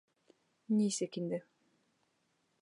Нисек инде?..